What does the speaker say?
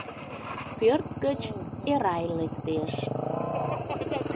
Пӧрт гыч Эрай лектеш.